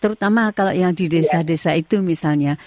terutama kalau yang di desa desa itu misalnya